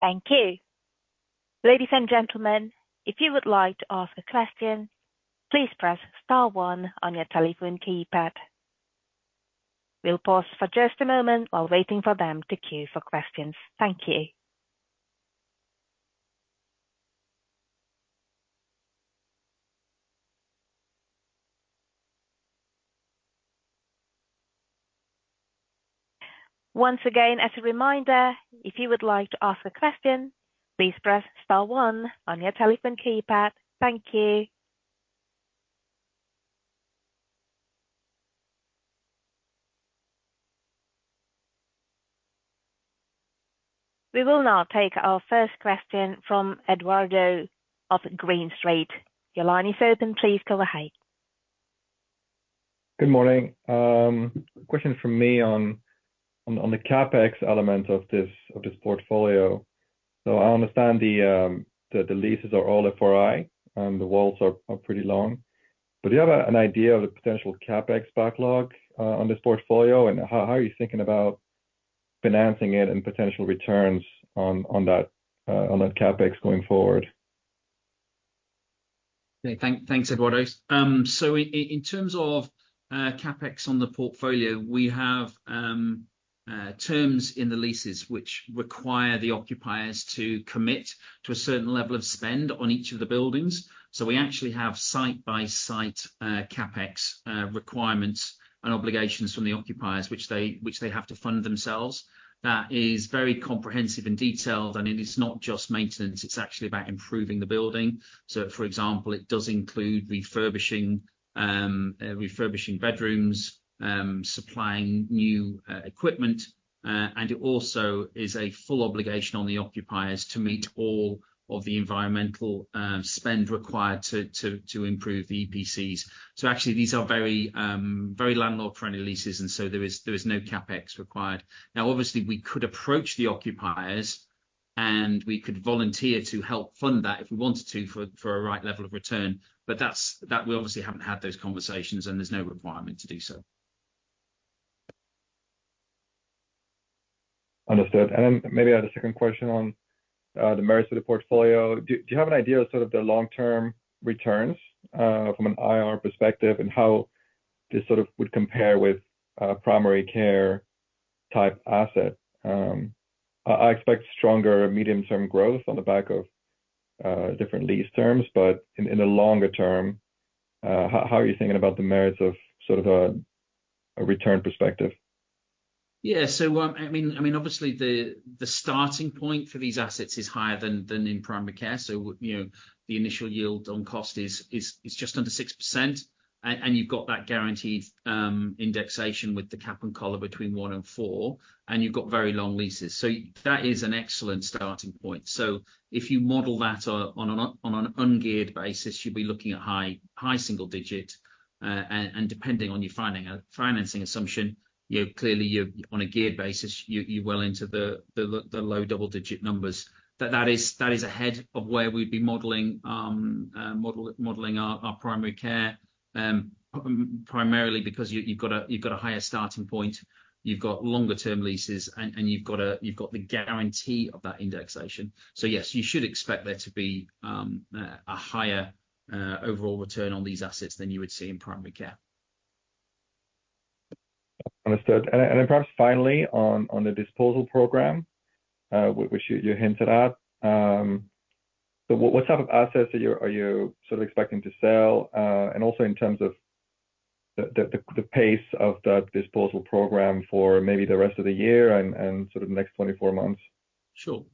Thank you. Ladies and gentlemen, if you would like to ask a question, please press star one on your telephone keypad. We'll pause for just a moment while waiting for them to queue for questions. Thank you. Once again, as a reminder, if you would like to ask a question, please press star one on your telephone keypad. Thank you. We will now take our first question from Edoardo of Green Street. Your line is open. Please go ahead Good morning. Question from me on the CapEx element of this portfolio. So I understand the leases are all FRI, and the walls are pretty long. But do you have an idea of the potential CapEx backlog on this portfolio? And how are you thinking about financing it and potential returns on that CapEx going forward? Yeah. Thanks, Edoardo. In terms of CapEx on the portfolio, we have terms in the leases, which require the occupiers to commit to a certain level of spend on each of the buildings. So we actually have site-by-site CapEx requirements and obligations from the occupiers, which they have to fund themselves. That is very comprehensive and detailed, and it is not just maintenance, it's actually about improving the building. So for example, it does include refurbishing bedrooms, supplying new equipment. And it also is a full obligation on the occupiers to meet all of the environmental spend required to improve the EPCs. So actually, these are very landlord-friendly leases, and so there is no CapEx required. Now, obviously, we could approach the occupiers, and we could volunteer to help fund that if we wanted to, for a right level of return, but that's... That we obviously haven't had those conversations, and there's no requirement to do so. Understood. And then maybe I had a second question on the merits of the portfolio. Do you have an idea of sort of the long-term returns from an IRR perspective, and how this sort of would compare with primary care-type asset? I expect stronger medium-term growth on the back of different lease terms, but in the longer term, how are you thinking about the merits of sort of a return perspective? Yeah. So, I mean, obviously the starting point for these assets is higher than in primary care. So, you know, the initial yield on cost is just under 6%. And you've got that guaranteed indexation with the cap and collar between one and four, and you've got very long leases. So that is an excellent starting point. So if you model that on an ungeared basis, you'd be looking at high single digit. And depending on your financing assumption, you know, clearly, you're on a geared basis, you're well into the low double-digit numbers. That is ahead of where we'd be modeling our primary care, primarily because you've got a higher starting point, you've got longer term leases, and you've got the guarantee of that indexation. So yes, you should expect there to be a higher overall return on these assets than you would see in primary care. Understood. And then perhaps finally on the disposal program, which you hinted at, so what type of assets are you sort of expecting to sell? And also in terms of the pace of that disposal program for maybe the rest of the year and sort of the next 24 months? Sure.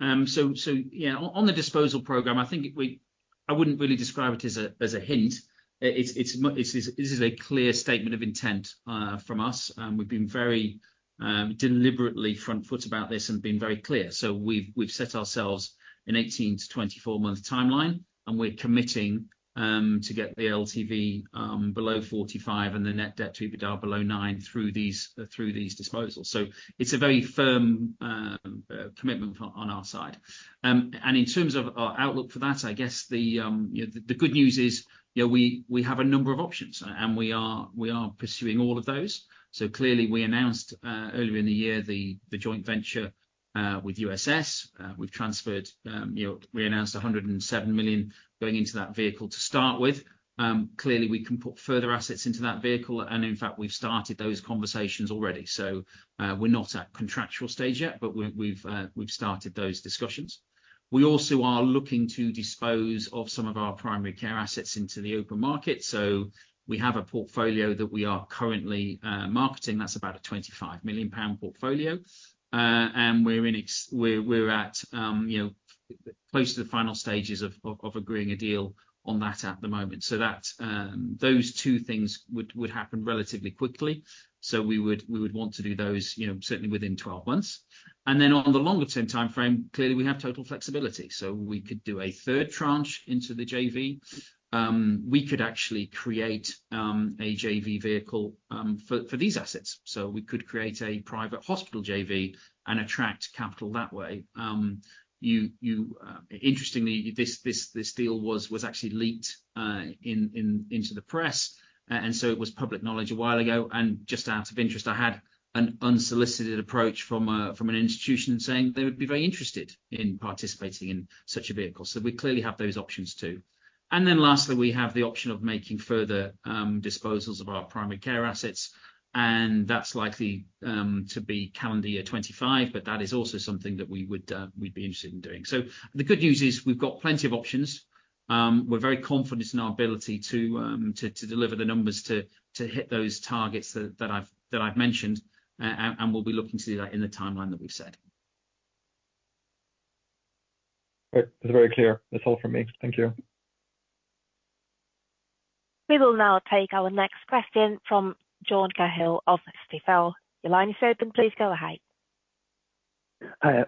On the disposal program, I think we—I wouldn't really describe it as a hint. It's a clear statement of intent from us, and we've been very deliberately front foot about this and been very clear. So we've set ourselves an 18 to 24-month timeline, and we're committing to get the LTV below 45 and the net debt to EBITDA below 9 through these disposals. So it's a very firm commitment on our side. And in terms of our outlook for that, I guess the you know, the good news is, you know, we have a number of options, and we are pursuing all of those. So clearly, we announced earlier in the year, the joint venture with USS. We've transferred, you know, we announced 107 million going into that vehicle to start with. Clearly, we can put further assets into that vehicle, and in fact, we've started those conversations already. So, we're not at contractual stage yet, but we've started those discussions. We also are looking to dispose of some of our primary care assets into the open market. So we have a portfolio that we are currently marketing. That's about a 25 million pound portfolio. And we're at, you know, close to the final stages of agreeing a deal on that at the moment. So that, those two things would happen relatively quickly. So we would want to do those, you know, certainly within 12 months. And then on the longer-term timeframe, clearly, we have total flexibility. So we could do a third tranche into the JV. We could actually create a JV vehicle for these assets. So we could create a private hospital JV and attract capital that way. Interestingly, this deal was actually leaked into the press, and so it was public knowledge a while ago. And just out of interest, I had an unsolicited approach from an institution saying they would be very interested in participating in such a vehicle. So we clearly have those options, too. And then lastly, we have the option of making further disposals of our primary care assets, and that's likely to be calendar year 2025, but that is also something that we would, we'd be interested in doing. So the good news is we've got plenty of options. We're very confident in our ability to, to deliver the numbers to, to hit those targets that, that I've, that I've mentioned. And, and we'll be looking to do that in the timeline that we've set. Great. That's very clear. That's all from me. Thank you. We will now take our next question from John Cahill of Stifel. Your line is open. Please go ahead. Hi,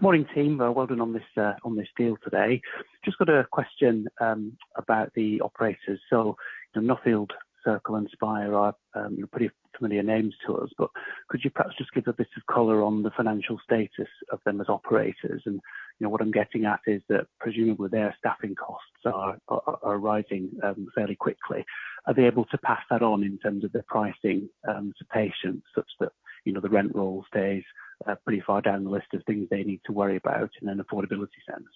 morning, team. Well, well done on this deal today. Just got a question about the operators. So the Nuffield, Circle, and Spire are pretty familiar names to us, but could you perhaps just give a bit of color on the financial status of them as operators? And, you know, what I'm getting at is that presumably their staffing costs are rising fairly quickly. Are they able to pass that on in terms of their pricing to patients such that, you know, the rent roll stays pretty far down the list of things they need to worry about in an affordability sense?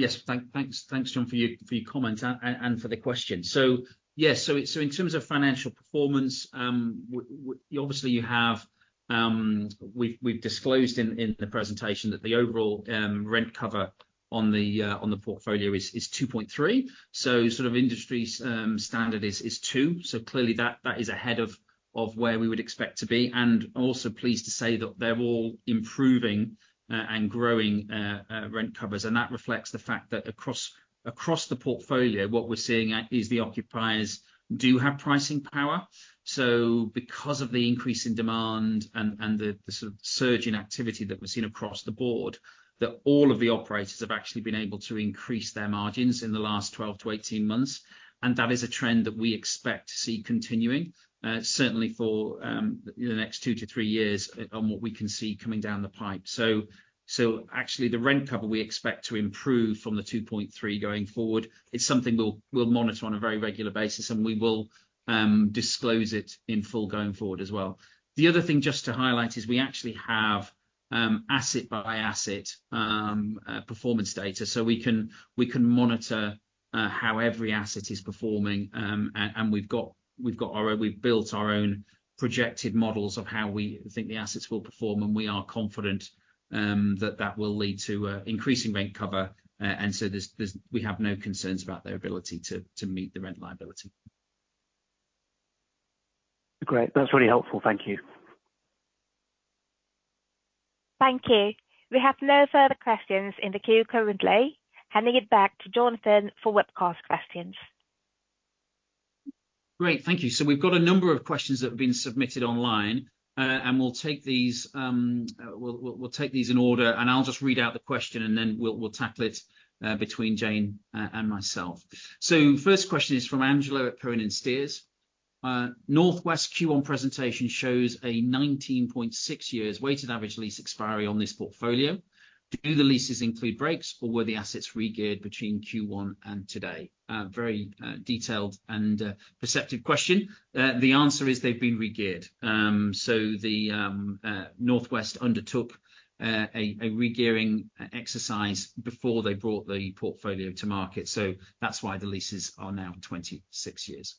Yes, thanks, thanks, John, for your, for your comments and, and, and for the question. So yes, so, so in terms of financial performance, obviously, you have, we've, we've disclosed in, in the presentation that the overall, rent cover on the, on the portfolio is, is 2.3. So sort of industry's standard is, is 2. So clearly that, that is ahead of, of where we would expect to be. And also pleased to say that they're all improving, and growing, rent covers, and that reflects the fact that across, across the portfolio, what we're seeing is the occupiers do have pricing power. So because of the increase in demand and the sort of surge in activity that we're seeing across the board, that all of the operators have actually been able to increase their margins in the last 12-18 months, and that is a trend that we expect to see continuing, certainly for the next 2-3 years on what we can see coming down the pipe. So actually the rent cover we expect to improve from the 2.3 going forward. It's something we'll monitor on a very regular basis, and we will disclose it in full going forward as well. The other thing just to highlight is we actually have asset-by-asset performance data. So we can monitor how every asset is performing, and we've got our own projected models of how we think the assets will perform, and we are confident that that will lead to increasing rent cover. And so there's no concerns about their ability to meet the rent liability. Great. That's really helpful. Thank you. Thank you. We have no further questions in the queue currently. Handing it back to Jonathan for Webcast questions. Great, thank you. So we've got a number of questions that have been submitted online, and we'll take these in order, and I'll just read out the question, and then we'll tackle it between Jayne and myself. So first question is from Angelo at Cohen & Steers: NorthWest Q1 presentation shows a 19.6 years weighted average lease expiry on this portfolio. Do the leases include breaks, or were the assets regeared between Q1 and today? Very detailed and perceptive question. The answer is, they've been regeared. So the NorthWest undertook a regearing exercise before they brought the portfolio to market, so that's why the leases are now 26 years.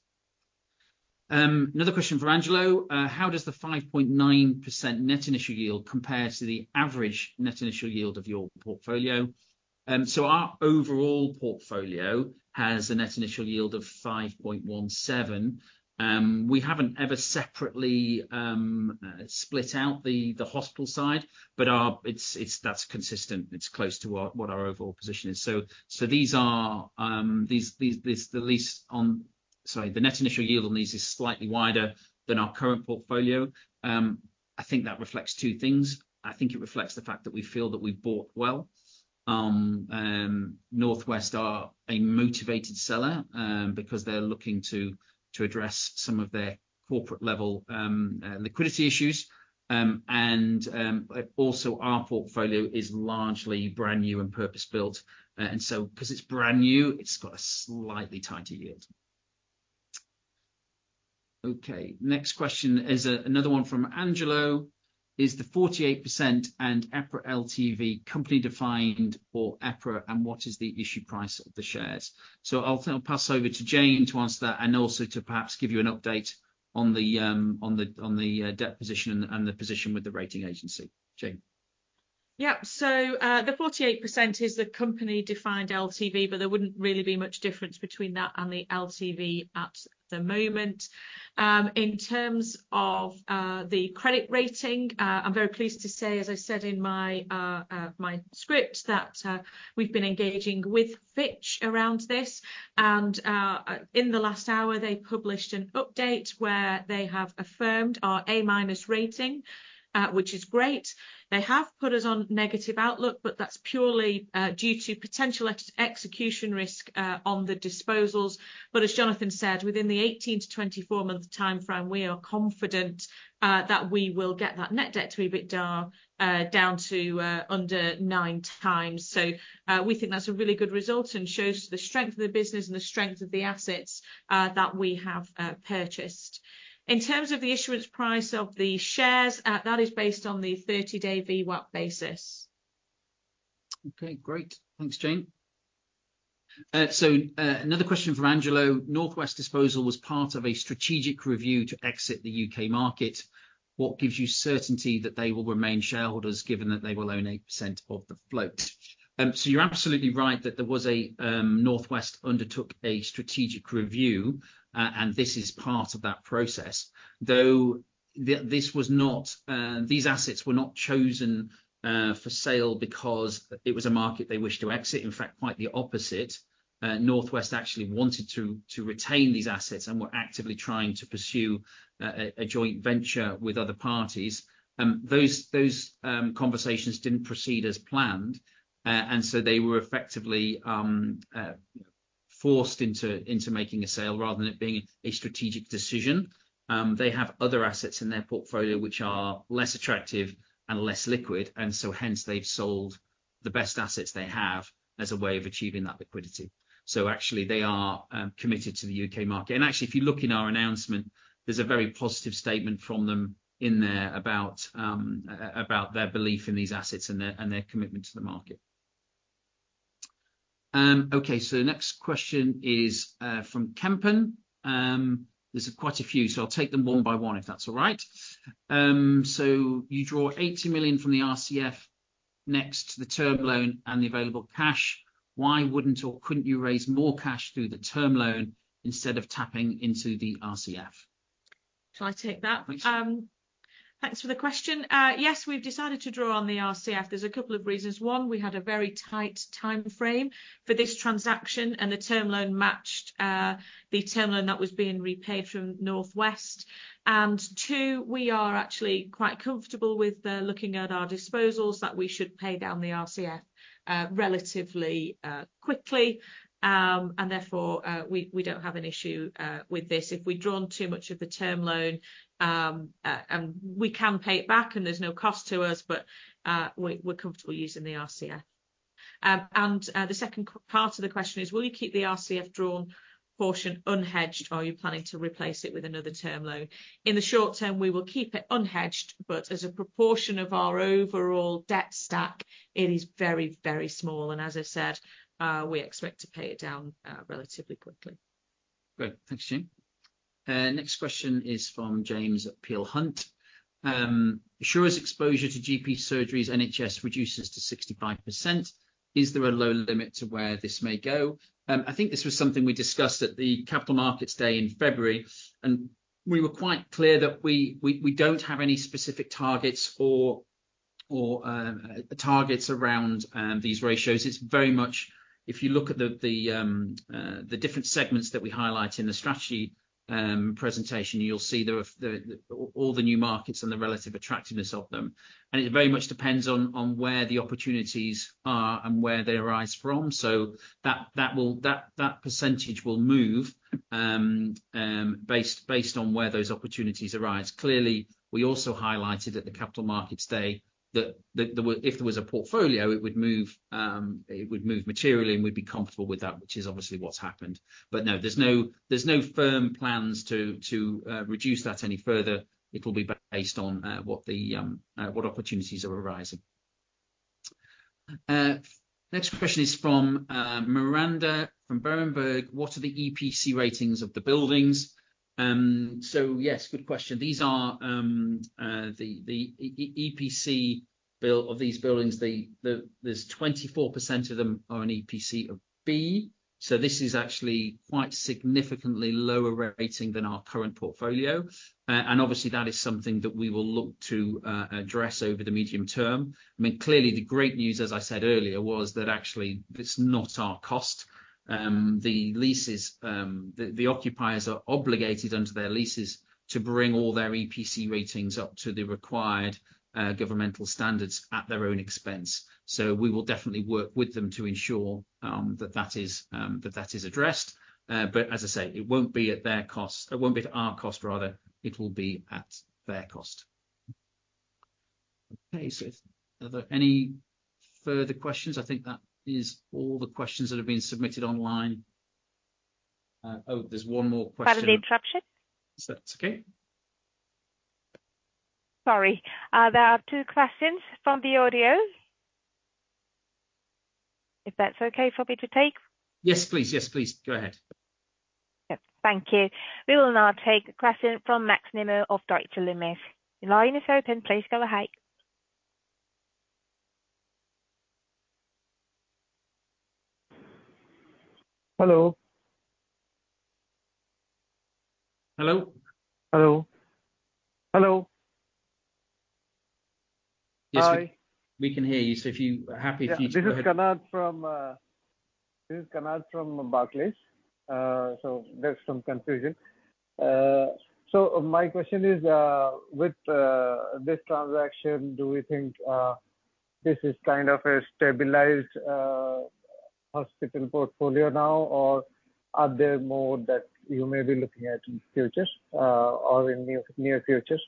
Another question from Angelo: How does the 5.9 net initial yield compare to the average net initial yield of your portfolio? So our overall portfolio has a net initial yield of 5.17. We haven't ever separately split out the hospital side, but it's consistent. It's close to our overall position. So the net initial yield on these is slightly wider than our current portfolio. I think that reflects two things. I think it reflects the fact that we feel that we've bought well. NorthWest are a motivated seller because they're looking to address some of their corporate-level liquidity issues. And also, our portfolio is largely brand new and purpose-built, and so 'cause it's brand new, it's got a slightly tighter yield. Okay, next question is, another one from Angelo: Is the 48% and EPRA LTV company defined or EPRA, and what is the issue price of the shares? So I'll pass over to Jayne to answer that and also to perhaps give you an update on the debt position and the position with the rating agency. Jayne? Yeah. So, the 48% is the company-defined LTV, but there wouldn't really be much difference between that and the LTV at the moment. In terms of the credit rating, I'm very pleased to say, as I said in my script, that we've been engaging with Fitch around this, and in the last hour, they published an update where they have affirmed our A-minus rating, which is great. They have put us on negative outlook, but that's purely due to potential execution risk on the disposals. But as Jonathan said, within the 18-24 month timeframe, we are confident that we will get that net debt to EBITDA down to under 9x. We think that's a really good result and shows the strength of the business and the strength of the assets that we have purchased. In terms of the issuance price of the shares, that is based on the 30-day VWAP basis. Okay, great. Thanks, Jayne. So, another question from Angelo. "NorthWest disposal was part of a strategic review to exit the U.K. market. What gives you certainty that they will remain shareholders, given that they will own 8% of the float?" So you're absolutely right, that there was a, NorthWest undertook a strategic review, and this is part of that process, though this was not, these assets were not chosen for sale because it was a market they wished to exit. In fact, quite the opposite. NorthWest actually wanted to retain these assets and were actively trying to pursue a joint venture with other parties. Those conversations didn't proceed as planned, and so they were effectively forced into making a sale rather than it being a strategic decision. They have other assets in their portfolio which are less attractive and less liquid, and so hence, they've sold the best assets they have as a way of achieving that liquidity. So actually, they are committed to the U.K. market. And actually, if you look in our announcement, there's a very positive statement from them in there about their belief in these assets and their commitment to the market. Okay, so the next question is from Kempen. There's quite a few, so I'll take them one by one, if that's all right. So, You draw 80 million from the RCF next to the term loan and the available cash. Why wouldn't or couldn't you raise more cash through the term loan instead of tapping into the RCF? Shall I take that, please? Thanks for the question. Yes, we've decided to draw on the RCF. There's a couple of reasons. One, we had a very tight timeframe for this transaction, and the term loan matched the term loan that was being repaid from NorthWest. And two, we are actually quite comfortable with looking at our disposals that we should pay down the RCF relatively quickly. And therefore, we don't have an issue with this. If we'd drawn too much of the term loan, and we can pay it back, and there's no cost to us, but we're comfortable using the RCF. The second part of the question is: "Will you keep the RCF drawn portion unhedged, or are you planning to replace it with another term loan?" In the short term, we will keep it unhedged, but as a proportion of our overall debt stack, it is very, very small, and as I said, we expect to pay it down relatively quickly. Great. Thanks, Jayne. Next question is from James at Peel Hunt. "Assura's exposure to GP surgeries, NHS reduces to 65%. Is there a low limit to where this may go?" I think this was something we discussed at the Capital Markets Day in February, and we were quite clear that we don't have any specific targets or targets around these ratios. It's very much if you look at the different segments that we highlight in the strategy presentation, you'll see there are all the new markets and the relative attractiveness of them. And it very much depends on where the opportunities are and where they arise from, so that will, that percentage will move based on where those opportunities arise. Clearly, we also highlighted at the Capital Markets Day that if there was a portfolio, it would move materially, and we'd be comfortable with that, which is obviously what's happened. But no, there's no firm plans to reduce that any further. It'll be based on what opportunities are arising. Next question is from Miranda, from Berenberg: "What are the EPC ratings of the buildings?" So yes, good question. These are the EPC build of these buildings, there's 24% of them are an EPC of B, so this is actually quite significantly lower rating than our current portfolio. And obviously, that is something that we will look to address over the medium term. I mean, clearly, the great news, as I said earlier, was that actually, it's not our cost. The leases, the occupiers are obligated under their leases to bring all their EPC ratings up to the required governmental standards at their own expense. So we will definitely work with them to ensure that that is addressed. But as I say, it won't be at their cost... It won't be at our cost, rather, it will be at their cost. Okay, so are there any further questions? I think that is all the questions that have been submitted online. Oh, there's one more question. Sorry for the interruption. Is that okay? Sorry, there are two questions from the audience. If that's okay for me to take? Yes, please. Yes, please, go ahead. Yep. Thank you. We will now take a question from Max Nimmo of Deutsche Numis. The line is open. Please go ahead. Hello? Hello. Hello. Hello. Hi. We can hear you, so if you are happy to- Yeah, this is Kanad from, this is Kanad from Barclays. So there's some confusion. So my question is, with this transaction, do you think this is kind of a stabilized hospital portfolio now, or are there more that you may be looking at in the future, or in the near future?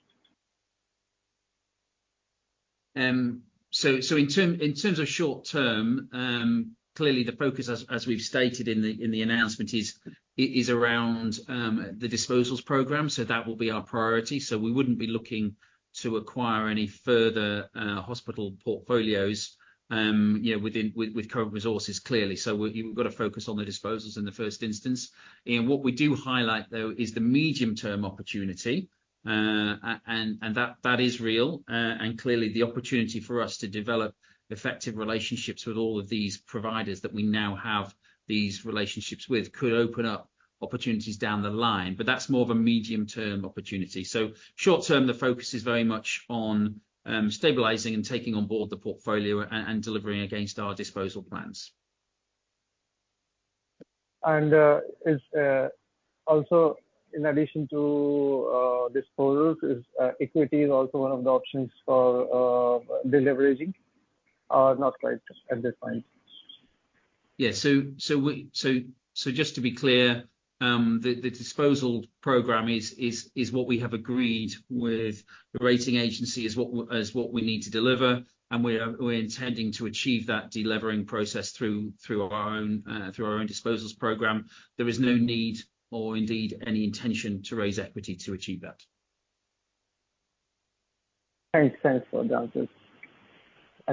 So in terms of short term, clearly, the focus as we've stated in the announcement is around the disposals program, so that will be our priority. So we wouldn't be looking to acquire any further hospital portfolios, you know, within with current resources, clearly. So we've gotta focus on the disposals in the first instance. And, what we do highlight, though, is the medium-term opportunity. And that is real. And clearly, the opportunity for us to develop effective relationships with all of these providers that we now have these relationships with, could open up opportunities down the line, but that's more of a medium-term opportunity. So short-term, the focus is very much on stabilizing and taking on board the portfolio and delivering against our disposal plans. Is also in addition to disposals, is equity is also one of the options for deleveraging, not quite at this point? Yeah. So, just to be clear, the disposal program is what we have agreed with the rating agency, is what we need to deliver, and we are, we're intending to achieve that delevering process through our own disposals program. There is no need or indeed any intention to raise equity to achieve that. Thanks. Thanks for the answers.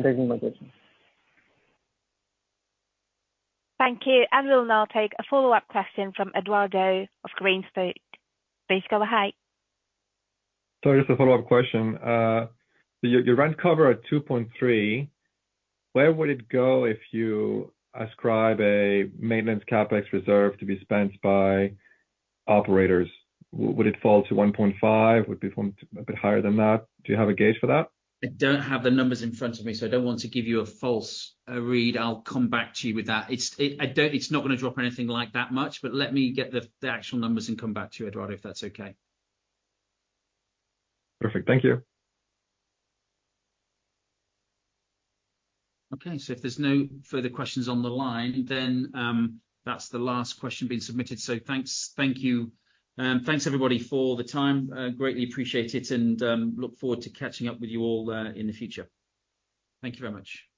There's no more questions. Thank you, and we'll now take a follow up question from Edoardo of Green Street. Please go ahead. So just a follow-up question. So your, your rent cover at 2.3, where would it go if you ascribe a maintenance CapEx reserve to be spent by operators? Would it fall to 1.5? Would it be from a bit higher than that? Do you have a gauge for that? I don't have the numbers in front of me, so I don't want to give you a false read. I'll come back to you with that. It's not gonna drop anything like that much, but let me get the actual numbers and come back to you, Edoardo, if that's okay. Perfect. Thank you. Okay, so if there's no further questions on the line, then, that's the last question being submitted. So thanks. Thank you. Thanks, everybody, for the time. Greatly appreciate it, and, look forward to catching up with you all, in the future. Thank you very much.